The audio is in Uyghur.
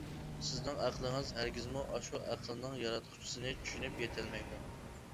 سىزنىڭ ئەقلىڭىز ھەرگىزمۇ ئاشۇ ئەقىلنىڭ ياراتقۇچىسىنى چۈشىنىپ يېتەلمەيدۇ.